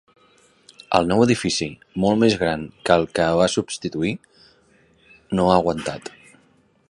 El nou edifici, molt més gran que el que va substituir, no ha aguantat.